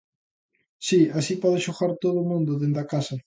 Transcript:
Si, así pode xogar todo o mundo dende a casa.